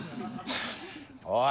おい！